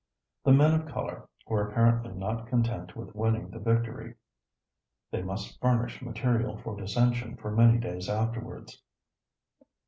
The men of color were apparently not content with winning the victory; they must furnish material for dissension for many days afterwards.